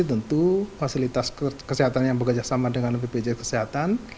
jadi tentu fasilitas kesehatan yang bekerja sama dengan bpjs kesehatan